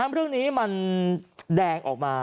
เรื่องนี้มันแดงออกมา